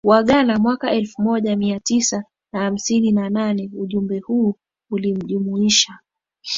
wa Ghana mwaka elfu moja Mia Tisa na hamsini na nane Ujumbe huu ulimjumuisha